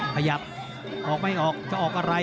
ขยับออกไม่ออกจะออกอะไร